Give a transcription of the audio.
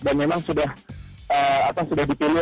dan memang sudah dipilih